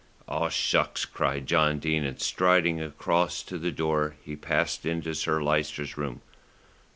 "Oh, shucks!" cried John Dene, and striding across to the door he passed into Sir Lyster's room.